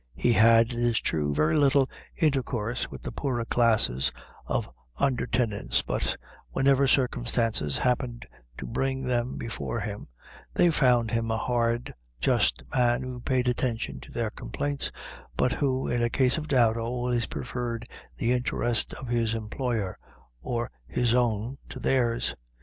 He had, it is true, very little intercourse with the poorer class of under tenants, but, whenever circumstances happened to bring them before him, they found him a hard, just man, who paid attention to their complaints, but who, in a case of doubt, always preferred the interest of his employer, or his own, to theirs.